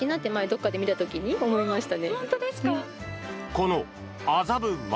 この麻布街